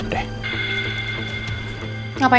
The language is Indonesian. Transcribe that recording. gak makin banyak lagi